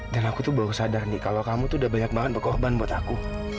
dan aku tuh baru sadar nih kalau kamu tuh udah banyak banget yang berkorban buat aku